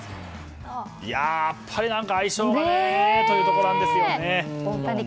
やっぱり相性がねというところなんですよね。